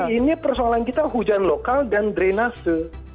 ini persoalan kita hujan lokal dan drenase